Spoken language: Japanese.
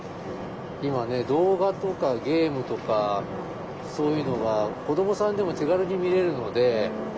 今ね動画とかゲームとかそういうのが子どもさんでも手軽に見れるので。